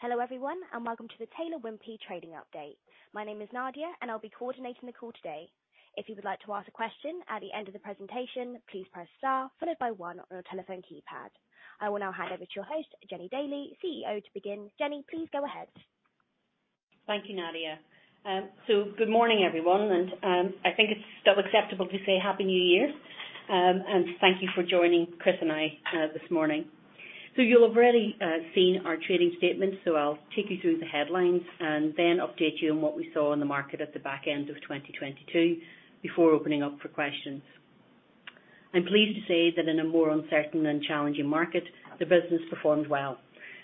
Hello everyone, welcome to the Taylor Wimpey trading update. My name is Nadia, I'll be coordinating the call today. If you would like to ask a question at the end of the presentation, please press star followed by one on your telephone keypad. I will now hand over to your host, Jennie Daly, CEO to begin. Jenny, please go ahead. Thank you, Nadia. Good morning, everyone. I think it's still acceptable to say Happy New Year. Thank you for joining Chris and I this morning. You'll have already seen our trading statement, so I'll take you through the headlines and then update you on what we saw in the market at the back end of 2022 before opening up for questions. I'm pleased to say that in a more uncertain and challenging market, the business performed well,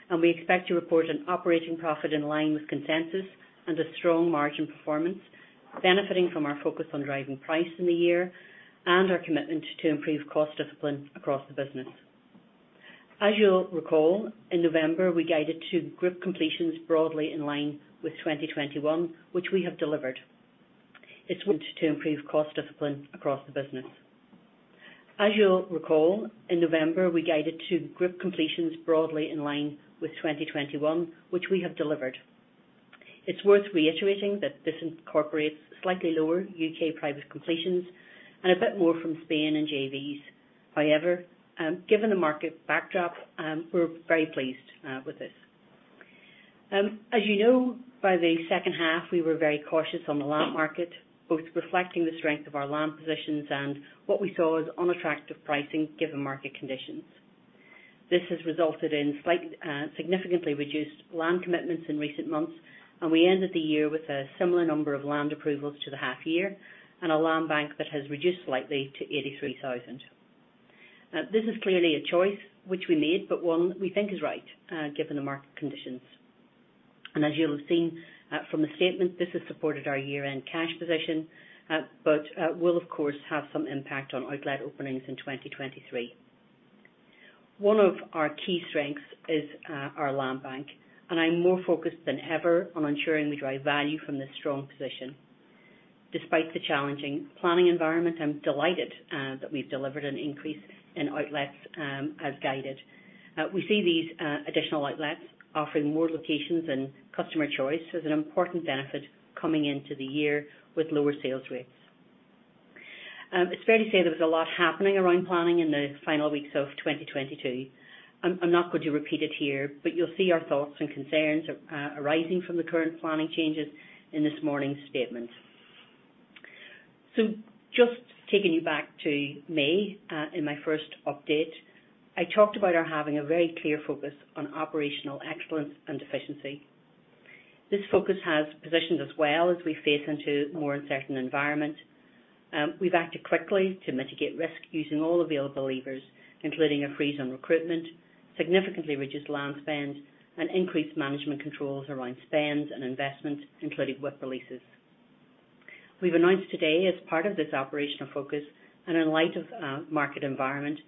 and we expect to report an operating profit in line with consensus and a strong margin performance, benefiting from our focus on driving price in the year and our commitment to improve cost discipline across the business. As you'll recall, in November, we guided two group completions broadly in line with 2021, which we have delivered. It's went to improve cost discipline across the business. As you'll recall, in November, we guided two group completions broadly in line with 2021, which we have delivered. It's worth reiterating that this incorporates slightly lower U.K. private completions and a bit more from Spain and JVs. Given the market backdrop, we're very pleased with this. As you know, by the second half, we were very cautious on the land market, both reflecting the strength of our land positions and what we saw as unattractive pricing given market conditions. This has resulted in significantly reduced land commitments in recent months, and we ended the year with a similar number of land approvals to the half year and a land bank that has reduced slightly to 83,000. This is clearly a choice which we made, but one we think is right, given the market conditions. As you'll have seen, from the statement, this has supported our year-end cash position, but will of course have some impact on outlet openings in 2023. One of our key strengths is our land bank, and I'm more focused than ever on ensuring we drive value from this strong position. Despite the challenging planning environment, I'm delighted that we've delivered an increase in outlets as guided. We see these additional outlets offering more locations and customer choice as an important benefit coming into the year with lower sales rates. It's fair to say there was a lot happening around planning in the final weeks of 2022. I'm not going to repeat it here, you'll see our thoughts and concerns arising from the current planning changes in this morning's statement. Just taking you back to May, in my first update, I talked about our having a very clear focus on operational excellence and efficiency. This focus has positioned us well as we face into a more uncertain environment. We've acted quickly to mitigate risk using all available levers, including a freeze on recruitment, significantly reduced land spend, and increased management controls around spend and investment, including WIP releases. We've announced today as part of this operational focus and in light of market environment,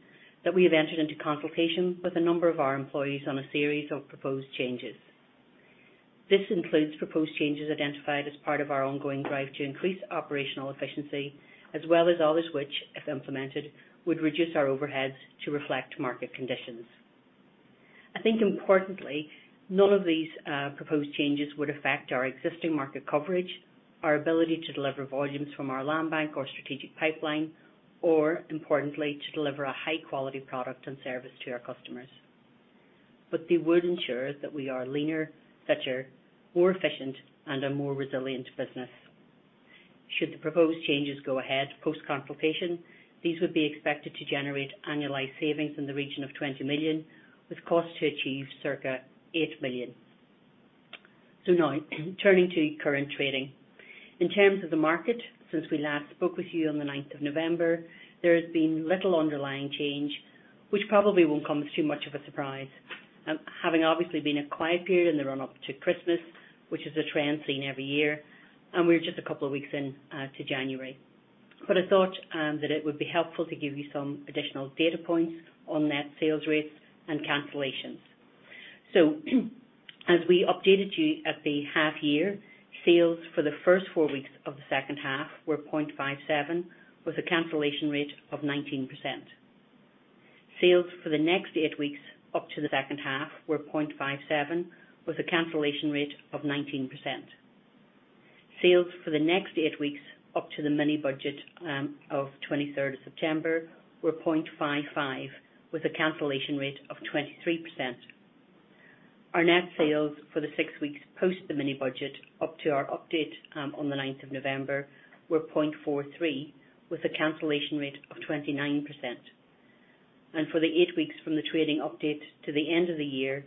that we have entered into consultation with a number of our employees on a series of proposed changes. This includes proposed changes identified as part of our ongoing drive to increase operational efficiency, as well as others which, if implemented, would reduce our overheads to reflect market conditions. I think importantly, none of these proposed changes would affect our existing market coverage, our ability to deliver volumes from our land bank or strategic pipeline, or importantly, to deliver a high quality product and service to our customers. They would ensure that we are a leaner, fitter, more efficient, and a more resilient business. Should the proposed changes go ahead post-consultation, these would be expected to generate annualized savings in the region of 20 million, with cost to achieve circa 8 million. Now turning to current trading. In terms of the market since we last spoke with you on the ninth of November, there has been little underlying change, which probably won't come as too much of a surprise. Having obviously been a quiet period in the run-up to Christmas, which is a trend seen every year, and we're just a couple of weeks in to January. I thought that it would be helpful to give you some additional data points on net sales rates and cancellations. As we updated you at the half year, sales for the first four weeks of the second half were 0.57, with a cancellation rate of 19%. Sales for the next eight weeks up to the second half were 0.57, with a cancellation rate of 19%. Sales for the next eight weeks up to the mini-Budget of 23rd September were 0.55, with a cancellation rate of 23%. Our net sales for the six weeks post the mini-Budget up to our update on the 9th of November were 0.43, with a cancellation rate of 29%. For the eight weeks from the trading update to the end of the year,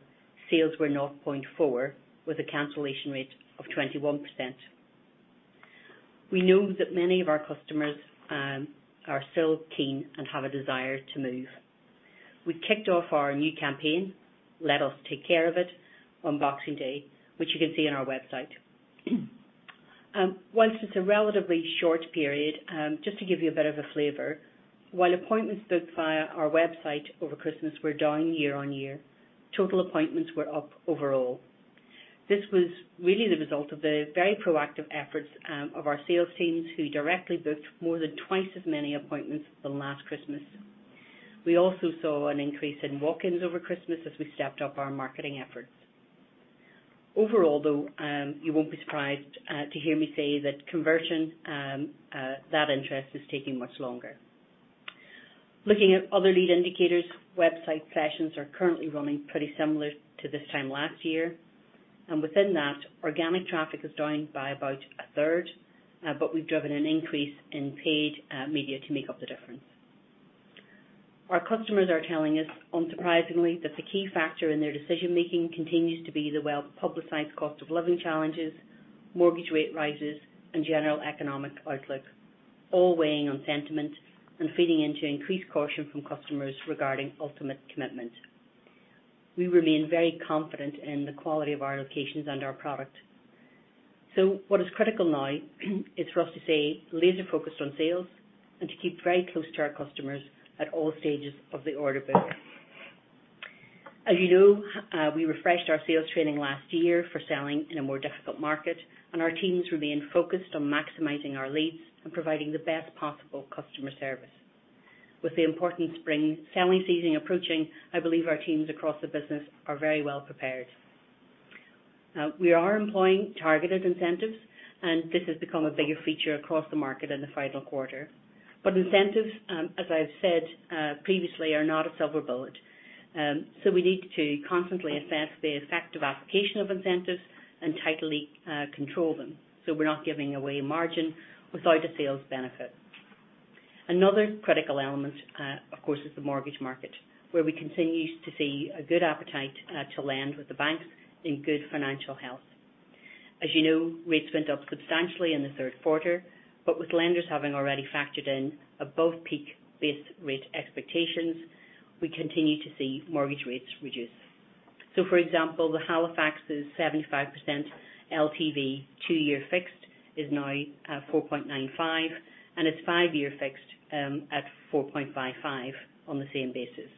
sales were 0.4 with a cancellation rate of 21%. We know that many of our customers are still keen and have a desire to move. We kicked off our new campaign, Let us Take Care of It, on Boxing Day, which you can see on our website. Whilst it's a relatively short period, just to give you a bit of a flavor, while appointments booked via our website over Christmas were down year-over-year, total appointments were up overall. This was really the result of the very proactive efforts of our sales teams who directly booked more than twice as many appointments than last Christmas. We also saw an increase in walk-ins over Christmas as we stepped up our marketing efforts. Overall, though, you won't be surprised to hear me say that conversion, that interest is taking much longer. Looking at other lead indicators, website sessions are currently running pretty similar to this time last year, and within that, organic traffic is down by about a third, but we've driven an increase in paid media to make up the difference. Our customers are telling us, unsurprisingly, that the key factor in their decision-making continues to be the well-publicized cost of living challenges, mortgage rate rises, and general economic outlook, all weighing on sentiment and feeding into increased caution from customers regarding ultimate commitment. We remain very confident in the quality of our locations and our product. What is critical now is for us to stay laser-focused on sales and to keep very close to our customers at all stages of the order book. As you know, we refreshed our sales training last year for selling in a more difficult market, and our teams remain focused on maximizing our leads and providing the best possible customer service. With the important spring selling season approaching, I believe our teams across the business are very well prepared. We are employing targeted incentives, this has become a bigger feature across the market in the final quarter. Incentives, as I've said previously, are not a silver bullet, so we need to constantly assess the effective application of incentives and tightly control them, so we're not giving away margin without a sales benefit. Another critical element, of course, is the mortgage market, where we continue to see a good appetite to lend with the banks in good financial health. As you know, rates went up substantially in the third quarter, but with lenders having already factored in above peak base rate expectations, we continue to see mortgage rates reduce. For example, the Halifax's 75% LTV two-year fixed is now at 4.95%, and its five-year fixed at 4.55% on the same basis.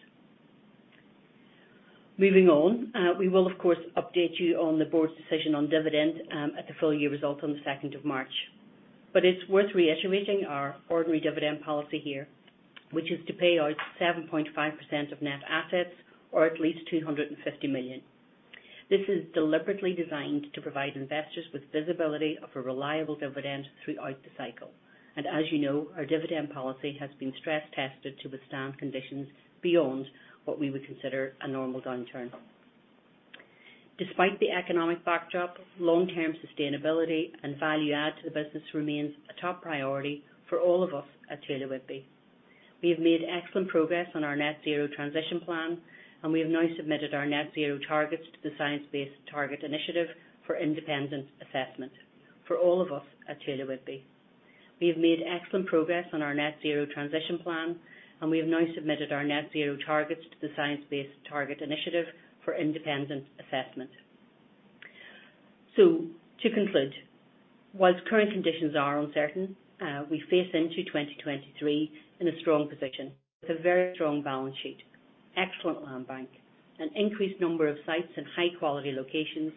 Moving on, we will, of course, update you on the board's decision on dividend at the full year results on the 2nd of March. It's worth reiterating our ordinary dividend policy here, which is to pay out 7.5% of net assets or at least 250 million. This is deliberately designed to provide investors with visibility of a reliable dividend throughout the cycle. As you know, our dividend policy has been stress tested to withstand conditions beyond what we would consider a normal downturn. Despite the economic backdrop, long-term sustainability and value add to the business remains a top priority for all of us at Taylor Wimpey. We have made excellent progress on our net zero transition plan, we have now submitted our net zero targets to the Science-Based Targets initiative for independent assessment. For all of us at Taylor Wimpey, we have made excellent progress on our net zero transition plan, and we have now submitted our net zero targets to the Science-Based Targets initiative for independent assessment. To conclude, whilst current conditions are uncertain, we face into 2023 in a strong position with a very strong balance sheet, excellent land bank, an increased number of sites in high-quality locations,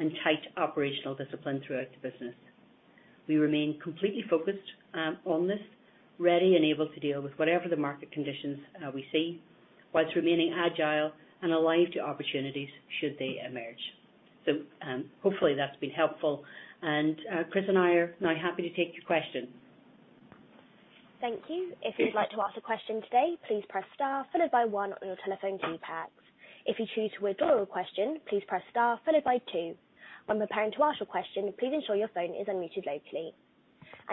and tight operational discipline throughout the business. We remain completely focused on this, ready and able to deal with whatever the market conditions we see, whilst remaining agile and alive to opportunities should they emerge. Hopefully, that's been helpful. Chris and I are now happy to take your questions. Thank you. If you'd like to ask a question today, please press star followed by one on your telephone keypads. If you choose to withdraw your question, please press star followed by two. When preparing to ask your question, please ensure your phone is unmuted locally.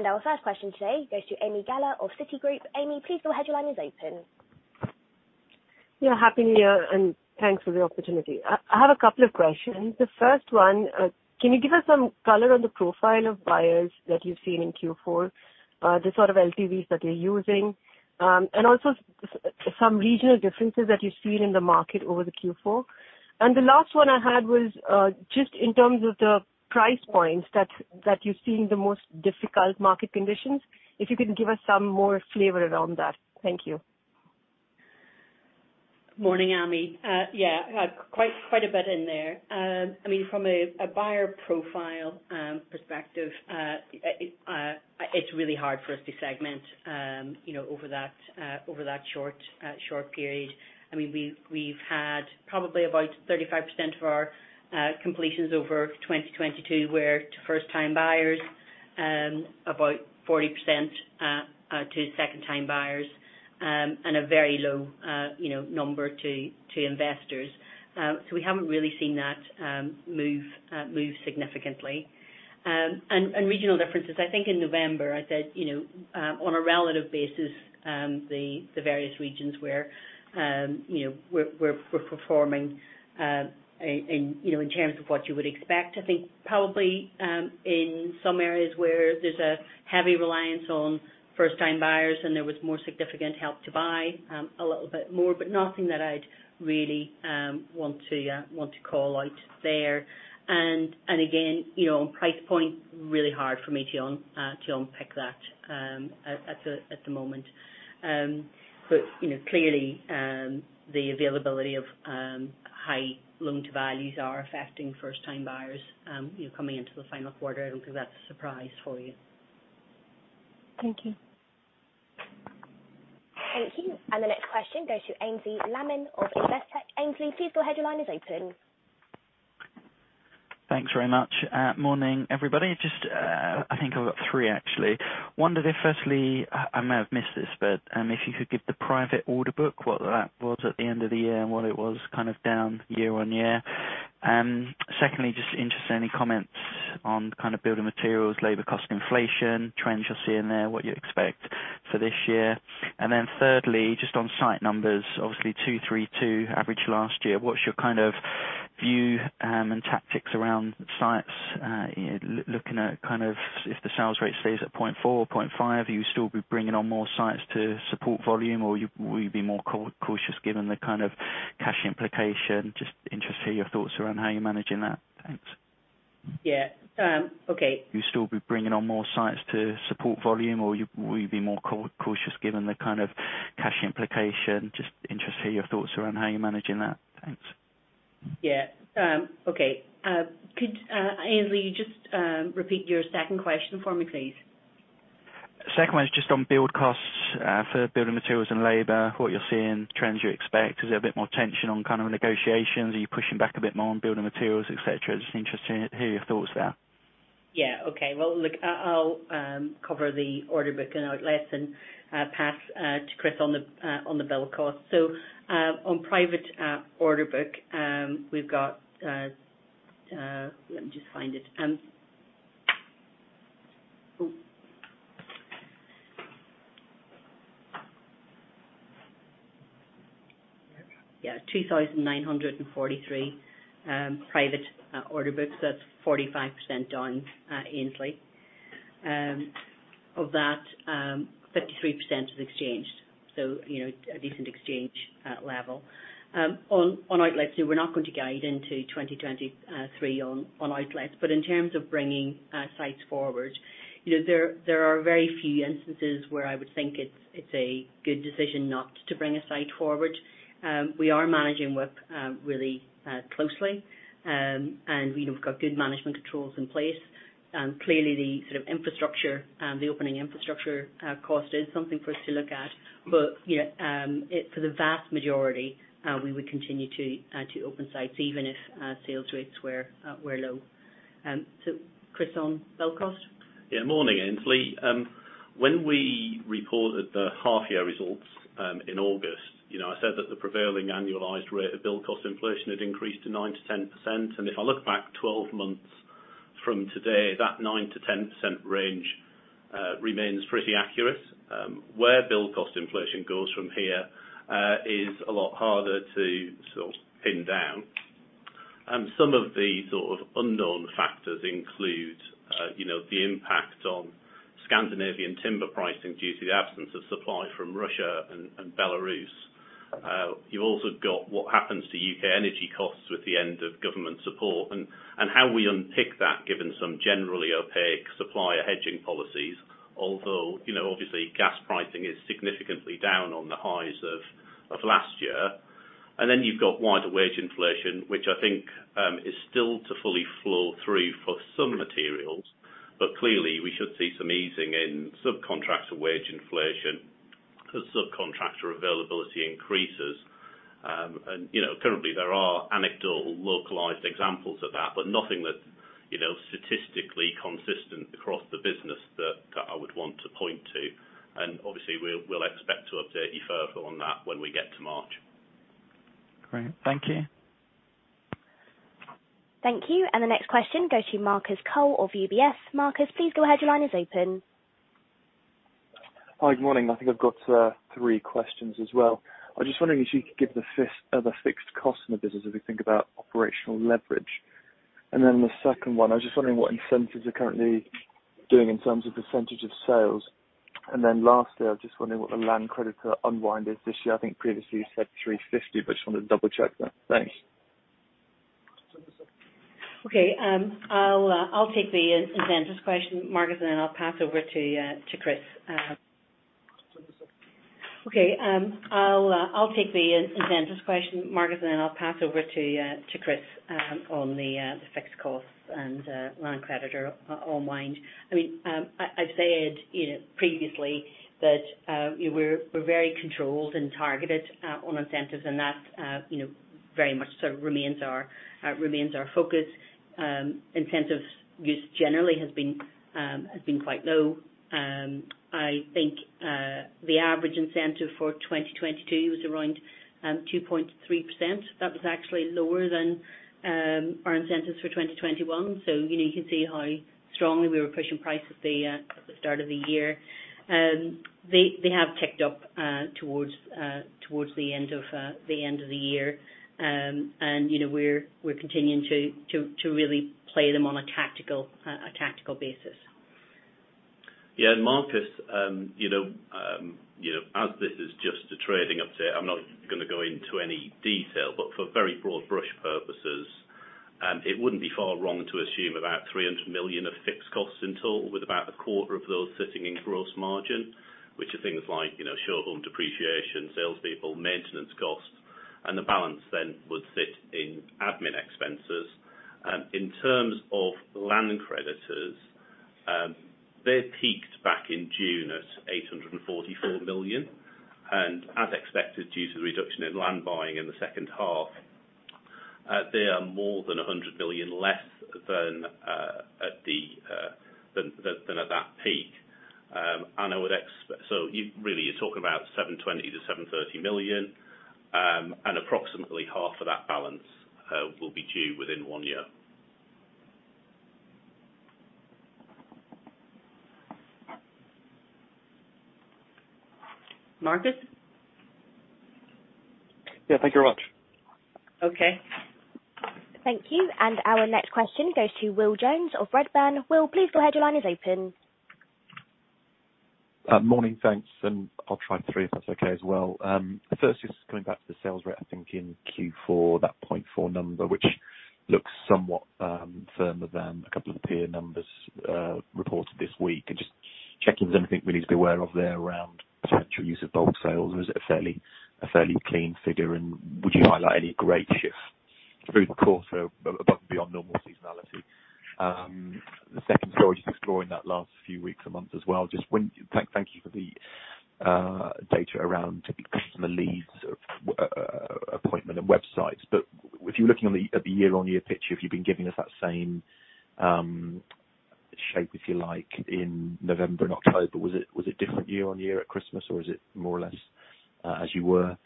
Our first question today goes to Ami Galla of Citigroup. Amy, please your headline is open. Yeah, happy new year. Thanks for the opportunity. I have a couple of questions. The first one, can you give us some color on the profile of buyers that you've seen in Q4? The sort of LTVs that they're using, and also some regional differences that you're seeing in the market over the Q4. The last one I had was just in terms of the price points that you're see in the most difficult market conditions, if you can give us some more flavor around that. Thank you. Morning, Ami. Yeah, quite a bit in there. I mean, from a buyer profile perspective, it's really hard for us to segment, you know, over that short period. I mean, we've had probably about 35% of our completions over 2022 were to first-time buyers, about 40% to second-time buyers, and a very low, you know, number to investors. We haven't really seen that move significantly. Regional differences, I think in November, I said, you know, on a relative basis, the various regions where, you know, we're performing in, you know, in terms of what you would expect. I think probably in some areas where there's a heavy reliance on first-time buyers and there was more significant Help to Buy, a little bit more, but nothing that I'd really want to call out there. Again, you know, on price point, really hard for me to unpick that at the moment. You know, clearly, the availability of high loan-to-values are affecting first-time buyers, you know, coming into the final quarter. I don't think that's a surprise for you. Thank you. Thank you. The next question goes to Aynsley Lammin of Investec. Aynsley, please go ahead. Your line is open. Thanks very much. Morning, everybody. Just, I think I've got three actually. Wondered if, firstly, I may have missed this, but if you could give the private order book, what that was at the end of the year, and what it was kind of down year-on-year. Secondly, just interested, any comments on kind of building materials, labor cost inflation, trends you're seeing there, what you expect for this year. Thirdly, just on site numbers, obviously 232 averaged last year. What's your kind of view and tactics around sites? Looking at kind of if the sales rate stays at 0.4 or 0.5, you will still be bringing on more sites to support volume or will you be more cautious given the kind of cash implication? Just interested to hear your thoughts around how you're managing that. Thanks. Yeah. Okay. You'll still be bringing on more sites to support volume, or will you be more cautious given the kind of cash implication? Just interested to hear your thoughts around how you're managing that. Thanks. Yeah. Okay. Could Aynsley, you just repeat your second question for me, please? Second one is just on build costs, for building materials and labor, what you're seeing, trends you expect. Is there a bit more tension on kind of negotiations? Are you pushing back a bit more on building materials, et cetera? Just interested to hear your thoughts there. Yeah. Okay. Well, look, I'll cover the order book and outlets and pass to Chris on the build cost. On private order book, we've got... Let me just find it. Yeah. 2,943 private order books. That's 45% down, Aynsley. Of that, 53% is exchanged, so, you know, a decent exchange level. On outlets, we're not going to guide into 2023 on outlets. In terms of bringing sites forward, you know, there are very few instances where I would think it's a good decision not to bring a site forward. We are managing WIP really closely. We've got good management controls in place. Clearly the sort of infrastructure, the opening infrastructure, cost is something for us to look at. You know, for the vast majority, we would continue to open sites even if sales rates were low. Chris, on build cost. Yeah. Morning, Aynsley. When we reported the half-year results in August, you know, I said that the prevailing annualized rate of build cost inflation had increased to 9%-10%. If I look back 12 months from today, that 9%-10% range remains pretty accurate. Where build cost inflation goes from here is a lot harder to sort of pin down. Some of the sort of unknown factors include, you know, the impact on Scandinavian timber pricing due to the absence of supply from Russia and Belarus. You've also got what happens to U.K. energy costs with the end of government support and how we unpick that given some generally opaque supplier hedging policies. Although, you know, obviously gas pricing is significantly down on the highs of last year. Then you've got wider wage inflation, which I think is still to fully flow through for some materials. Clearly we should see some easing in subcontractor wage inflation as subcontractor availability increases. You know, currently there are anecdotal localized examples of that, but nothing that, you know, statistically consistent across the business that I would want to point to. Obviously we'll expect to update you further on that when we get to March. Great. Thank you. Thank you. The next question goes to Marcus Cole of UBS. Marcus, please go ahead. Your line is open. Hi. Good morning. I think I've got three questions as well. I'm just wondering if you could give the fixed cost in the business as we think about operational leverage. The second one, I was just wondering what incentives are currently doing in terms of percentage of sales. Lastly, I was just wondering what the land creditor unwind is this year. I think previously you said 350, but just wanted to double-check that. Thanks. Okay. I'll take the incentives question, Marcus, and then I'll pass over to Chris. Okay. I'll take the incentives question, Marcus, and then I'll pass over to Chris on the fixed costs and land creditor unwind. I mean, I've said, you know, previously that, you know, we're very controlled and targeted on incentives, and that, you know, very much sort of remains our focus. Incentives use generally has been quite low. I think the average incentive for 2022 was around 2.3%. That was actually lower than our incentives for 2021. You know, you can see how strongly we were pushing price at the start of the year. They have ticked up towards the end of the year. You know, we're continuing to really play them on a tactical basis. Yeah. Marcus, you know, as this is just a trading update, I'm not gonna go into any detail, but for very broad brush purposes, it wouldn't be far wrong to assume about 300 million of fixed costs in total with about a quarter of those sitting in gross margin, which are things like, you know, show home depreciation, salespeople, maintenance costs. The balance then would sit in admin expenses. In terms of land creditors, they peaked back in June at 844 million. As expected, due to the reduction in land buying in the second half, they are more than 100 billion less than at that peak. Really, you're talking about 720 million-730 million, and approximately half of that balance, will be due within one year. Marcus? Yeah. Thank you very much. Okay. Thank you. Our next question goes to Will Jones of Redburn. Will, please go ahead. Your line is open. Morning. Thanks. I'll try three if that's okay as well. First, just coming back to the sales rate, I think in Q4, that 0.4 number, which looks somewhat firmer than a couple of peer numbers reported this week. Just checking, is there anything we need to be aware of there around potential use of bulk sales, or is it a fairly clean figure, and would you highlight any great shift through the course of above and beyond normal seasonality? The second story, just exploring that last few weeks a month as well. Just thank you for the data around customer leads, appointment and websites. If you're looking at the year-on-year picture, if you've been giving us that same shape, if you like, in November and October, was it different year-on-year at Christmas, or is it more or less as you were?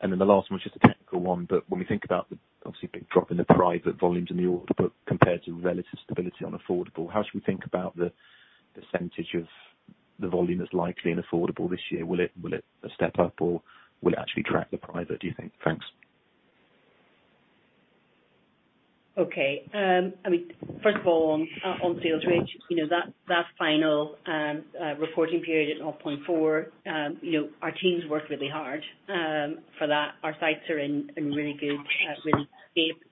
The last one is just a technical one, but when we think about the obviously big drop in the private volumes in the order book compared to relative stability on affordable, how should we think about the percentage of the volume that's likely in affordable this year? Will it step up, or will it actually track the private, do you think? Thanks. Okay. I mean, first of all, on sales rate, you know, that final reporting period at 0.4, you know, our teams worked really hard for that. Our sites are in really good, really good shape.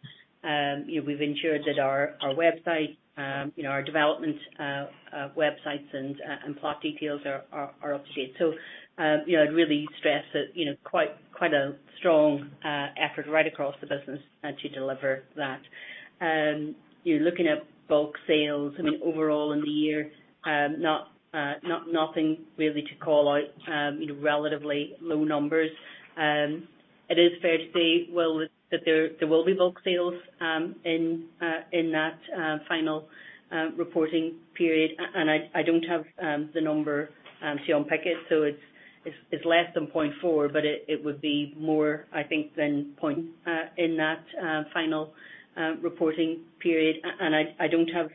You know, we've ensured that our website, you know, our development websites and plot details are up to date. You know, I'd really stress that, you know, quite a strong effort right across the business to deliver that. You're looking at bulk sales. I mean, overall in the year, not nothing really to call out, you know, relatively low numbers. It is fair to say, Will, that there will be bulk sales in that final reporting period. I don't have the number to handpick it, so it's less than 0.4, but it would be more, I think, than point in that final reporting period. I don't have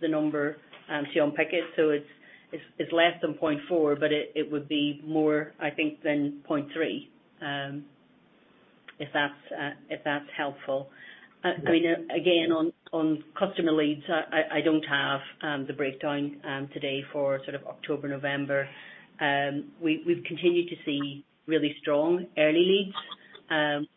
the number to handpick it, so it's less than 0.4, but it would be more, I think, than 0.3, if that's if that's helpful. I mean, again, on customer leads, I don't have the breakdown today for sort of October, November. We've continued to see really strong early leads.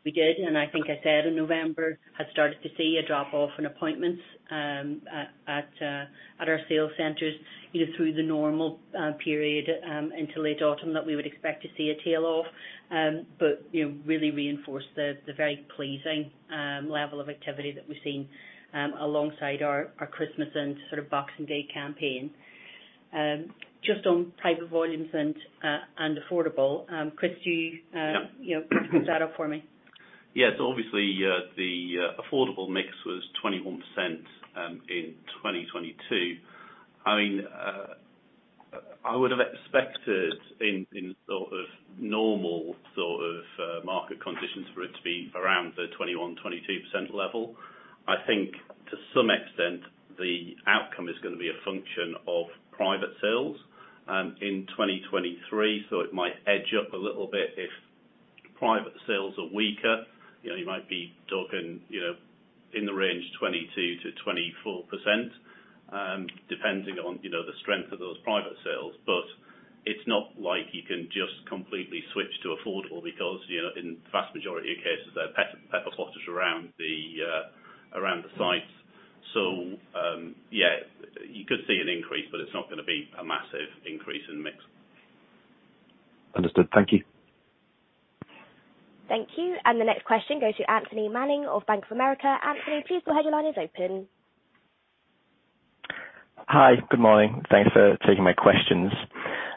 We did, and I think I said in November, had started to see a drop-off in appointments, at our sales centers, you know, through the normal period, into late autumn that we would expect to see a tail off. You know, really reinforced the very pleasing level of activity that we've seen alongside our Christmas and sort of Boxing Day campaign. Just on private volumes and and affordable, Chris, do you. Yeah. You know, pick that up for me. Yes. Obviously, the affordable mix was 21% in 2022. I mean, I would have expected in sort of normal sort of market conditions for it to be around the 21%-22% level. I think to some extent the outcome is gonna be a function of private sales in 2023, so it might edge up a little bit. If private sales are weaker, you know, you might be talking, you know, in the range 22%-24%, depending on, you know, the strength of those private sales. It's not like you can just completely switch to affordable because, you know, in vast majority of cases, there are pepper potters around the sites. Yeah, you could see an increase, but it's not gonna be a massive increase in the mix. Understood. Thank you. Thank you. The next question goes to Anthony Manning of Bank of America. Anthony, please go ahead. Your line is open. Hi. Good morning. Thanks for taking my questions.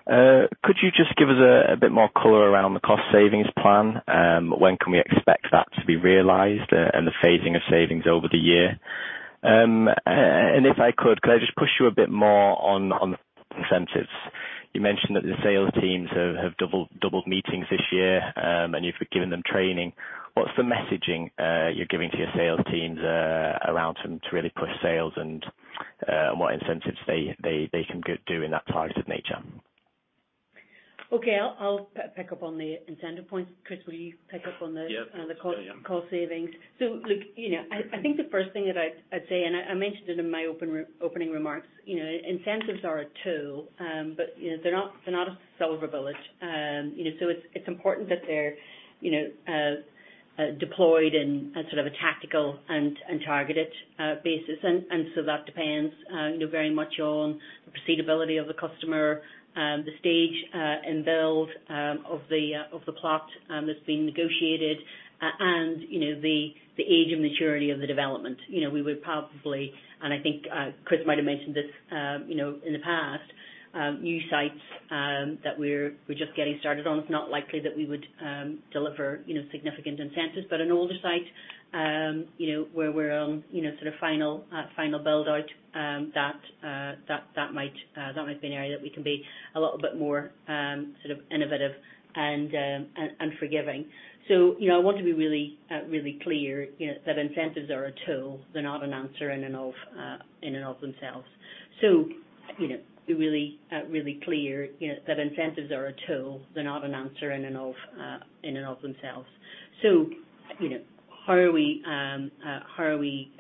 Could you just give us a bit more color around the cost savings plan? When can we expect that to be realized and the phasing of savings over the year? If I could just push you a bit more on the incentives? You mentioned that the sales teams have doubled meetings this year, and you've given them training. What's the messaging you're giving to your sales teams around them to really push sales and what incentives they can go do in that price of nature? Okay. I'll pick up on the incentive points. Chris, will you pick up on the? Yeah. the cost savings? Look, you know, I think the first thing that I'd say, and I mentioned it in my opening remarks, you know, incentives are a tool, but, you know, they're not a silver bullet. You know, so it's important that they're, you know, deployed in a sort of a tactical and targeted basis. That depends, you know, very much on the proceedability of the customer, the stage and build of the plot that's been negotiated and, you know, the age and maturity of the development. You know, we would possibly, and I think Chris might have mentioned this, you know, in the past, new sites that we're just getting started on, it's not likely that we would deliver, you know, significant incentives. An older site, you know, where we're, you know, sort of final build-out, that that might be an area that we can be a little bit more sort of innovative and and forgiving. You know, I want to be really clear, you know, that incentives are a tool. They're not an answer in and of in and of themselves. You know, be really clear, you know, that incentives are a tool. They're not an answer in and of in and of themselves. you know, how are we, how are we,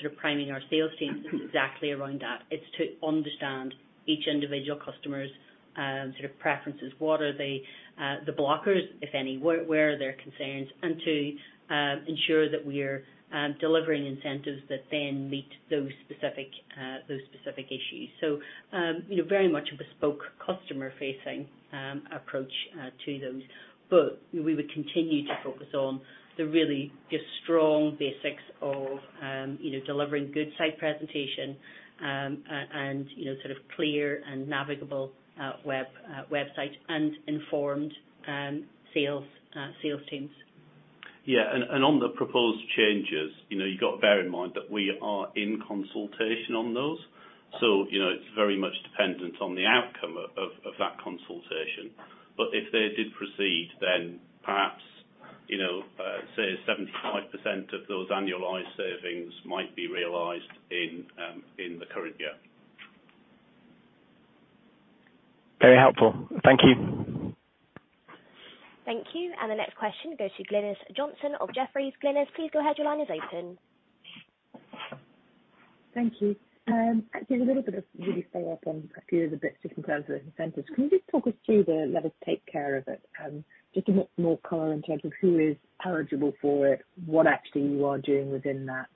sort of priming our sales teams is exactly around that. It's to understand each individual customer's, sort of preferences. What are the blockers, if any? Where, where are their concerns? Two ensure that we're delivering incentives that then meet those specific, those specific issues. you know, very much a bespoke customer-facing approach to those. we would continue to focus on the really just strong basics of, you know, delivering good site presentation, and, you know, sort of clear and navigable web website, and informed sales teams. Yeah. On the proposed changes, you know, you've got to bear in mind that we are in consultation on those. You know, it's very much dependent on the outcome of that consultation. If they did proceed, then perhaps, you know, say 75% of those annualized savings might be realized in the current year. Very helpful. Thank you. Thank you. The next question goes to Glynis Johnson of Jefferies. Glynis, please go ahead. Your line is open. Thank you. Actually, a little bit of really follow-up on a few of the bits just in terms of incentives. Can you just talk us through the Let Us Take Care of It, just a bit more color in terms of who is eligible for it, what actually you are doing within that?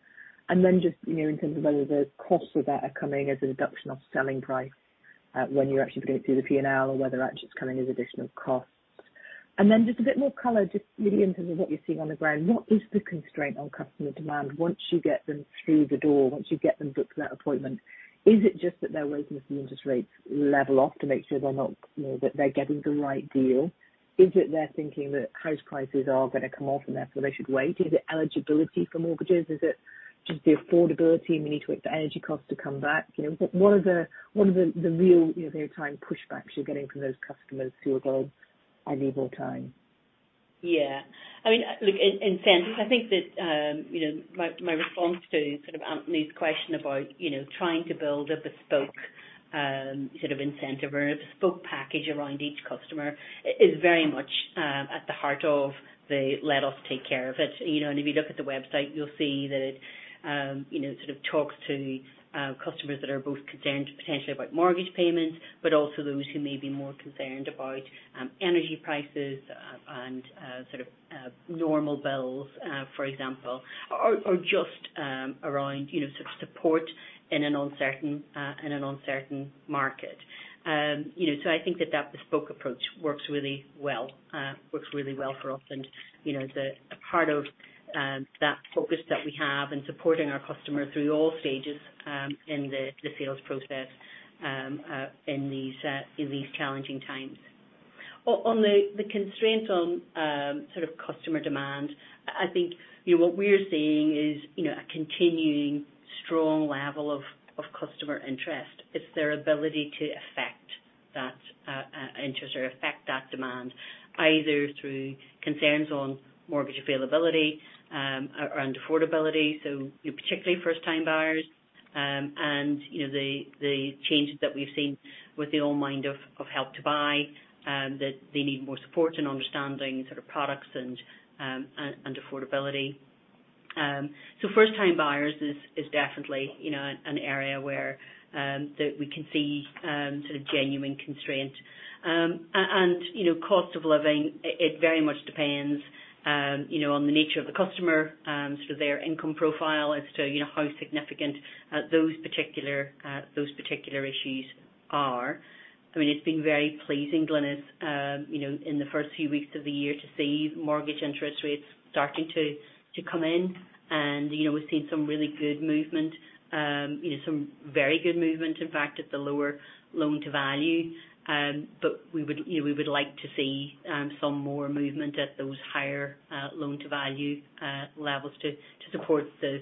Just, you know, in terms of whether the costs of that are coming as a deduction of selling price, when you're actually putting it through the P&L or whether that's just coming as additional costs? Just a bit more color, just really in terms of what you're seeing on the ground. What is the constraint on customer demand once you get them through the door, once you get them booked that appointment? Is it just that they're waiting for the interest rates level off to make sure they're not, you know, that they're getting the right deal? Is it they're thinking that house prices are gonna come off and therefore they should wait? Is it eligibility for mortgages? Is it just the affordability, and we need to wait for energy costs to come back? You know, what are the real, you know, real-time pushbacks you're getting from those customers who are going, "I need more time"? Yeah. I mean, look, in-incentives, I think that, you know, my response to sort of Arnaud's question about, you know, trying to build a bespoke sort of incentive or a bespoke package around each customer is very much at the heart of the Let Us Take Care of It. You know, if you look at the website, you'll see that it, you know, sort of talks to customers that are both concerned potentially about mortgage payments, but also those who may be more concerned about energy prices and sort of normal bills, for example, or just around, you know, sort of support in an uncertain in an uncertain market. You know, I think that that bespoke approach works really well, works really well for us. You know, as a part of that focus that we have in supporting our customers through all stages in the sales process in these challenging times. On the constraint on sort of customer demand, I think, you know, what we're seeing is, you know, a continuing strong level of customer interest. It's their ability to affect that interest or affect that demand, either through concerns on mortgage availability, around affordability, so, you know, particularly first-time buyers, and, you know, the changes that we've seen with the all mind of Help to Buy, that they need more support in understanding sort of products and affordability. First-time buyers is definitely, you know, an area where that we can see sort of genuine constraint. You know, cost of living, it very much depends, you know, on the nature of the customer, sort of their income profile as to, you know, how significant those particular issues are. I mean, it's been very pleasing, Glynis, you know, in the first few weeks of the year to see mortgage interest rates starting to come in. You know, we've seen some really good movement, you know, some very good movement, in fact, at the lower loan-to-value. We would, you know, we would like to see some more movement at those higher loan-to-value levels to support the,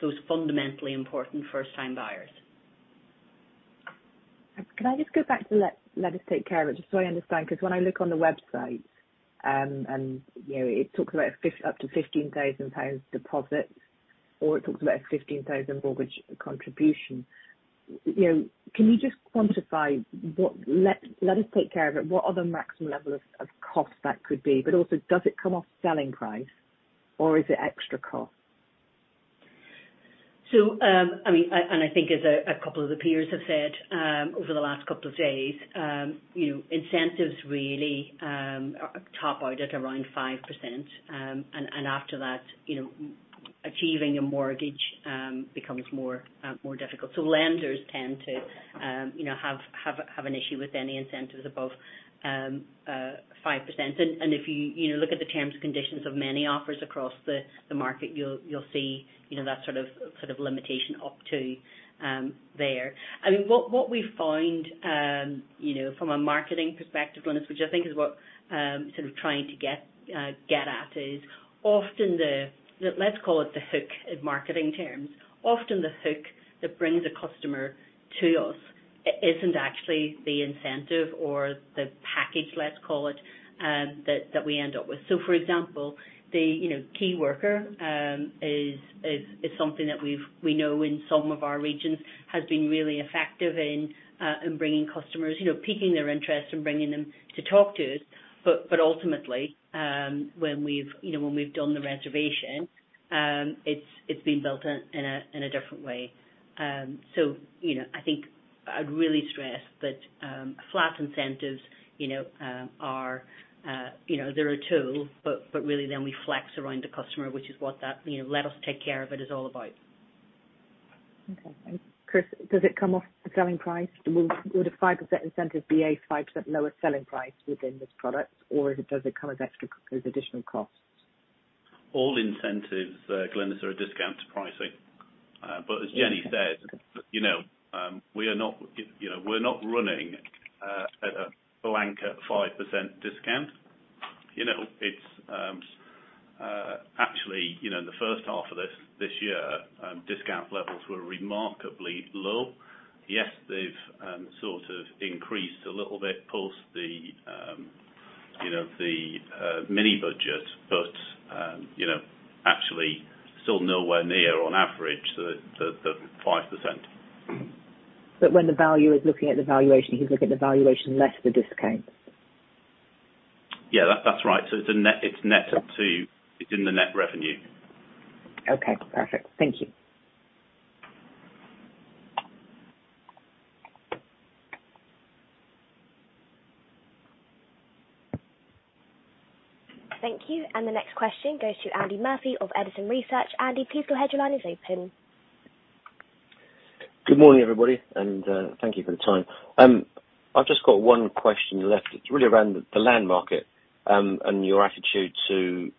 those fundamentally important first-time buyers. Can I just go back to Let Us Take Care of It, just so I understand? 'Cause when I look on the website, and, you know, it talks about up to 15,000 pounds deposit, or it talks about a 15,000 mortgage contribution. You know, can you just quantify what Let Us Take Care of It, what are the maximum level of cost that could be? Also, does it come off selling price, or is it extra cost? as a couple of the peers have said over the last couple of days, you know, incentives really are top out at around 5%. And after that, you know, achieving a mortgage becomes more difficult. Lenders tend to, you know, have an issue with any incentives above 5%. And if you know, look at the terms and conditions of many offers across the market, you'll see, you know, that sort of limitation up to there. I mean, what we found, you know, from a marketing perspective, Glynis, which I think is what trying to get at, is often the let's call it the hook in marketing terms. Often the hook that brings a customer to us isn't actually the incentive or the package, let's call it, that we end up with. For example, the, you know, key worker, is something that we know in some of our regions has been really effective in bringing customers, you know, piquing their interest and bringing them to talk to us. Ultimately, when we've, you know, when we've done the reservation, it's been built in a different way. You know, I think I'd really stress that flat incentives, you know, are, you know, they're a tool, but really then we flex around the customer, which is what that, you know, Let us Take Care of It is all about. Okay. Chris, does it come off the selling price? Would a 5% incentive be a 5% lower selling price within this product, or does it come as additional costs? All incentives, Glynis, are a discount to pricing. As Jennie said, you know, we are not, you know, we're not running a blank at 5% discount. You know, it's actually, you know, in the first half of this year, discount levels were remarkably low. Yes, they've sort of increased a little bit post the, you know, the mini-Budget, but, you know, actually still nowhere near on average the 5%. When the value is looking at the valuation, you can look at the valuation less the discount. Yeah. That's right. It's net to. Yeah. It's in the net revenue. Okay, perfect. Thank you. Thank you. The next question goes to Andy Murphy of Edison Research. Andy, please go ahead. Your line is open. Good morning, everybody, and thank you for the time. I've just got one question left. It's really around the land market, and your attitude to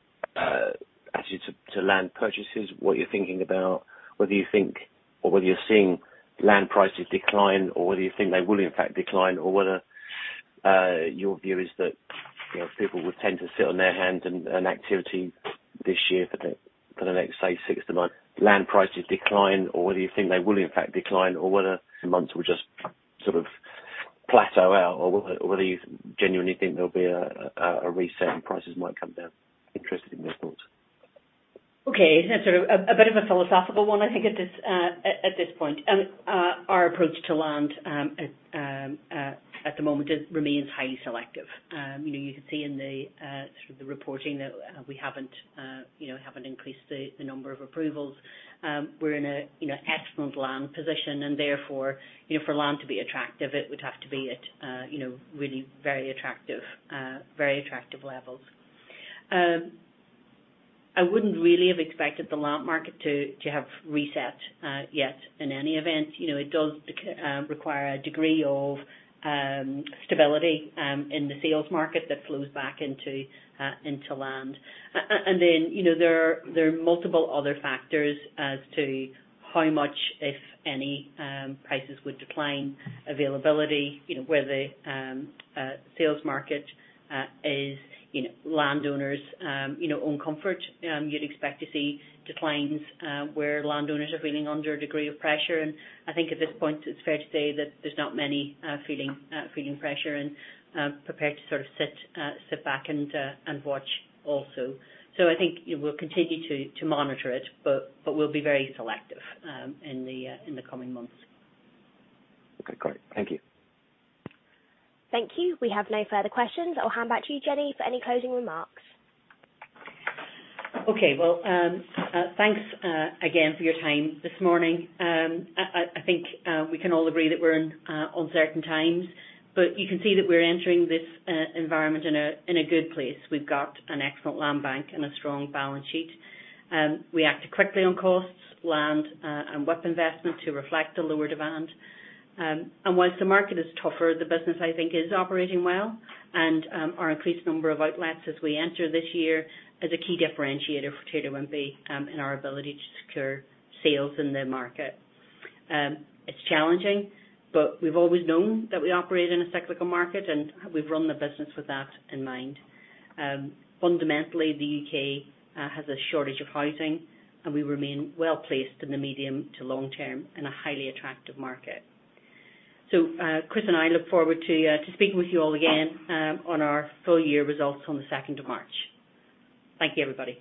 land purchases, what you're thinking about, whether you think or whether you're seeing land prices decline, or whether you think they will in fact decline, or whether your view is that, you know, people would tend to sit on their hands and activity this year for the next, say, six to nine land prices decline, or whether you think they will in fact decline, or whether the months will just sort of plateau out, or whether you genuinely think there'll be a recent prices might come down. Interested in your thoughts. Okay. That's sort of a bit of a philosophical one, I think, at this, at this point. Our approach to land, at the moment it remains highly selective. You know, you can see in the, sort of the reporting that, we haven't, you know, haven't increased the number of approvals. We're in a, you know, excellent land position, and therefore, you know, for land to be attractive, it would have to be at, you know, really very attractive, very attractive levels. I wouldn't really have expected the land market to have reset, yet in any event. You know, it does require a degree of, stability, in the sales market that flows back into land. You know, there are multiple other factors as to how much, if any, prices would decline, availability, you know, where the sales market is, you know, landowners, you know, own comfort. You'd expect to see declines where landowners are feeling under a degree of pressure. I think at this point it's fair to say that there's not many feeling pressure and prepared to sort of sit back and watch also. I think we'll continue to monitor it, but we'll be very selective in the coming months. Okay, great. Thank you. Thank you. We have no further questions. I'll hand back to you, Jenny, for any closing remarks. Okay. Well, thanks again for your time this morning. I think we can all agree that we're in uncertain times, but you can see that we're entering this environment in a good place. We've got an excellent land bank and a strong balance sheet. We acted quickly on costs, land, and WIP investment to reflect the lower demand. Once the market is tougher, the business, I think, is operating well, and our increased number of outlets as we enter this year is a key differentiator for Taylor Wimpey in our ability to secure sales in the market. It's challenging, but we've always known that we operate in a cyclical market, and we've run the business with that in mind. Fundamentally, the U.K. has a shortage of housing, and we remain well-placed in the medium to long term in a highly attractive market. Chris and I look forward to speaking with you all again on our full year results on the second of March. Thank you, everybody.